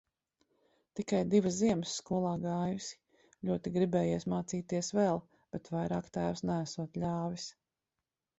Tikai divas ziemas skolā gājusi. Ļoti gribējies mācīties vēl, bet vairāk tēvs neesot ļāvis.